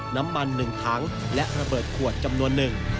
น้ำมัน๑ทั้งและระเบิดขวดจำนวน๑